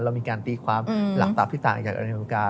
เรามีการตีความหลักตับที่ต่างจากอเมริกา